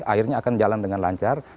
akhirnya akan jalan dengan lancar